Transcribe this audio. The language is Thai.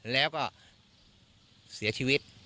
แล้วก็เสียชีวิต